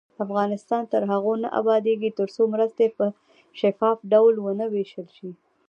افغانستان تر هغو نه ابادیږي، ترڅو مرستې په شفاف ډول ونه ویشل شي.